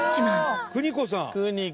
「邦子さん！」